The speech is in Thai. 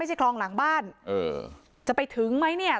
คลองหลังบ้านเออจะไปถึงไหมเนี่ย